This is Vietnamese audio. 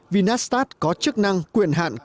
vinastat có chức năng quyền hạn công bố